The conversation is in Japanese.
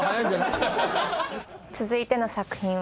続いての作品は。